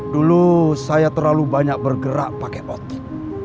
dulu saya terlalu banyak bergerak pakai otak